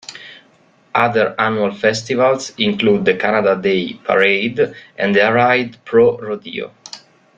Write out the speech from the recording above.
Other annual festivals include the Canada Day Parade and the Airdrie Pro Rodeo.